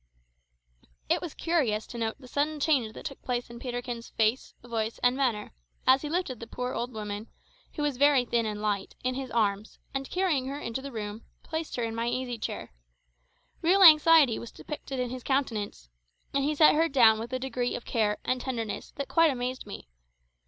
It was curious to note the sudden change that took place in Peterkin's face, voice, and manner, as he lifted the poor old woman, who was very thin and light, in his arms, and carrying her into the room, placed her in my easy chair. Real anxiety was depicted in his countenance, and he set her down with a degree of care and tenderness that quite amazed me.